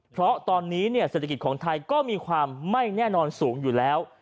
เพราะตอนนี้เศรษฐกิจของไทยก็มีความไม่แน่นอนสูงอยู่แล้ว